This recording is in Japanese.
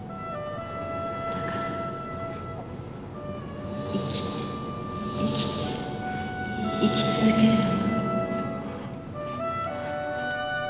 だから生きて生きて生き続けるの。